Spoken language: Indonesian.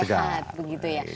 sehat begitu ya